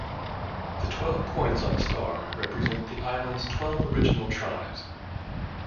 The twelve points on the star represent the island's twelve original tribes.